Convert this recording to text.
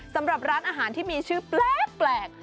สำหรับร้านอาหารที่มีชื่อแปลก